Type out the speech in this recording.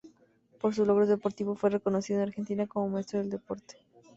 Por sus logros deportivos fue reconocido en Argentina como Maestro del Deporte.